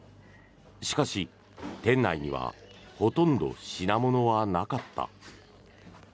しかし、店内にはほとんど品物はなかった。